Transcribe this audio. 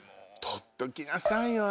取っときなさいよ。